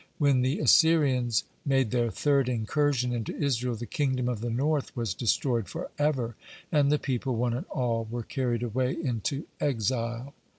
When the Assyrians made their third incursion into Israel, the kingdom of the north was destroyed forever, and the people, one and all, were carried away into exile.